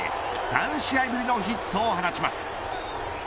３試合ぶりのヒットを放ちます。